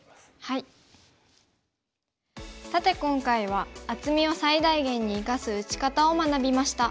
さて今回は厚みを最大限に生かす打ち方を学びました。